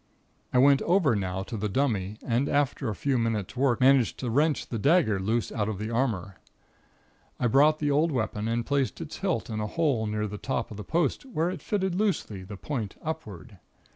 I went over now to the dummy, and after a few minute's work managed to wrench the dagger loose out of the armor. I brought the old weapon and placed its hilt in a hole near the top of the post where it fitted loosely, the point upward.